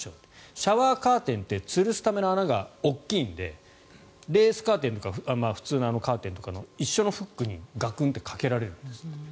シャワーカーテンってつるすための穴が大きいのでレースカーテンとか普通のカーテンとかの一緒のフックにガクンってかけられるんですって。